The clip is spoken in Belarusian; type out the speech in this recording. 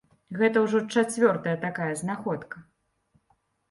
Гэта ўжо чацвёртая такая знаходка.